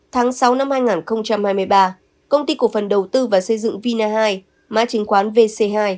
tháng sáu năm hai nghìn hai mươi ba công ty cổ phần đầu tư và xây dựng vina hai mã chứng khoán vc hai